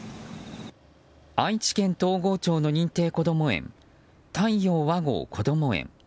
愛知県東郷町の認定こども園太陽わごうこども園。